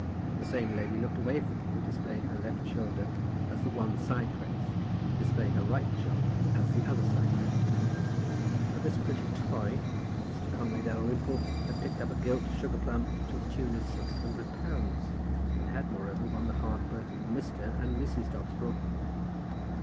The same lady looked away from you, displaying her left shoulder as one side Grace, and displaying her right shoulder as the other side Grace. For this pretty toy Mr. Conway Dalrymple had picked up a gilt sugar plum to the tune of six hundred pounds, and had, moreover, won the heart both of Mr. and Mrs. Dobbs Broughton.